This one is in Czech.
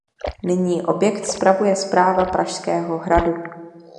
Nyní objekt spravuje Správa Pražského hradu.